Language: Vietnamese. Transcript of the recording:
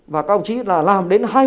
và các ông chí là làm đến hai mươi